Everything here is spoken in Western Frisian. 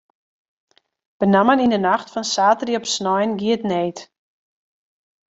Benammen yn de nacht fan saterdei op snein gie it need.